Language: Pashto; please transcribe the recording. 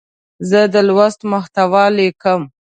زه د لوست محتوا لیکم.